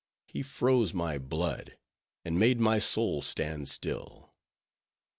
He froze my blood, and made my soul stand still.